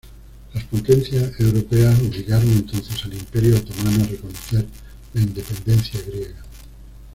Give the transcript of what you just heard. Las potencias europeas obligaron entonces al Imperio otomano a reconocer la independencia griega.